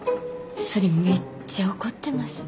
それめっちゃ怒ってます。